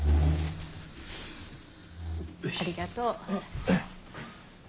ありがとう。